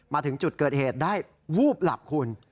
มาถึงจุดเกิดเหตุได้วูบหลับคุณ